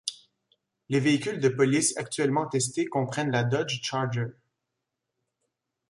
Les véhicules de police actuellement testés comprennent la Dodge Charger.